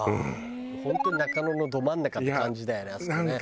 本当に中野のど真ん中って感じだよねあそこね。